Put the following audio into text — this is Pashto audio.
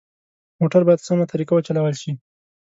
موټر باید سمه طریقه وچلول شي.